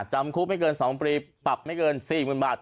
จำคุกไม่เกิน๒ปีปรับไม่เกิน๔๐๐๐บาท